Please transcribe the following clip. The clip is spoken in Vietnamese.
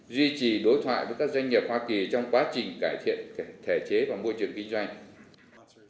duy trì đối thoại với các doanh nghiệp hoa kỳ trong quá trình cải thiện thể chế và môi trường kinh doanh